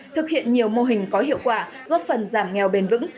thực hiện nhiều mô hình có hiệu quả góp phần giảm nghèo bền vững